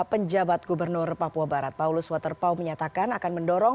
penjabat gubernur papua barat paulus waterpau menyatakan akan mendorong